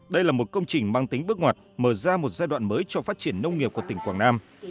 đây là một công trình mang tính bước ngoặt mở ra một giai đoạn mới cho phát triển nông nghiệp của tỉnh quảng nam